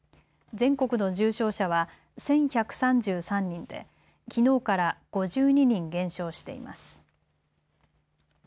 全国の重症者は１１３３人できのうから５２人減少しています。